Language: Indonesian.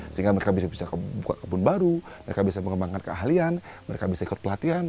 sehingga mereka bisa buka kebun baru mereka bisa mengembangkan keahlian mereka bisa ikut pelatihan